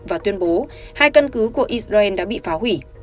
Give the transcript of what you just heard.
và tuyên bố hai cân cứ của israel đã bị phá hủy